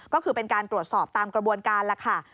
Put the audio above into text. ก็คือเป็นการตรวจสอบตามกระบวนการแล้วค่ะ